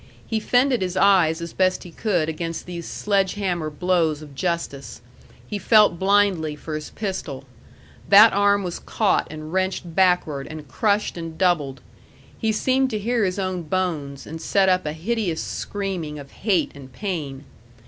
He fended his eyes as best he could against these sledge hammer blows of justice. He felt blindly for his pistol. That arm was caught and wrenched backward, and crushed and doubled. He seemed to hear his own bones, and set up a hideous screaming of hate and pain.